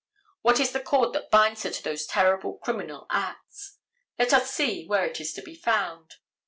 What is the cord that holds her to those terrible criminal acts? Let us see where it is to be found.